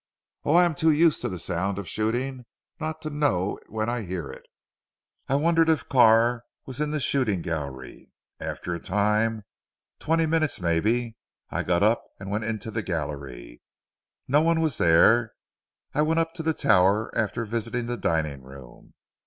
Oh! I am too used to the sound of shooting not to know it when I hear it. I wondered if Carr was in the shooting gallery. After a time twenty minutes maybe I got up and went into the gallery. No one there. I went up to the tower after visiting the dining room.